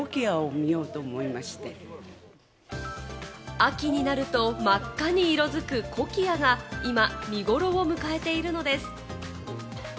秋になると真っ赤に色づくコキアが今、見ごろを迎えているのです。